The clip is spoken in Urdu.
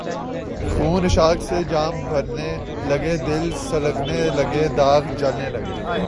خون عشاق سے جام بھرنے لگے دل سلگنے لگے داغ جلنے لگے